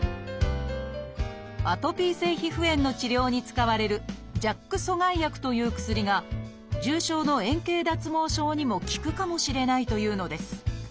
アトピー性皮膚炎の治療に使われる「ＪＡＫ阻害薬」という薬が重症の円形脱毛症にも効くかもしれないというのです。